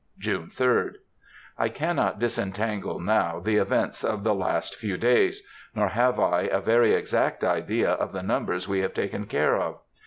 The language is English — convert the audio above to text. June 3d. I cannot disentangle now the events of the last few days, nor have I a very exact idea of the numbers we have taken care of.